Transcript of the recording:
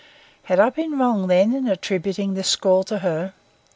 Had I been wrong, then, in attributing this scrawl to her?